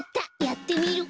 やってみる。